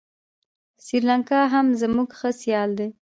سریلانکا هم زموږ ښه سیال دی.